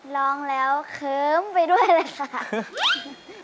ร้องแล้วเคิ้มไปด้วยเลยค่ะ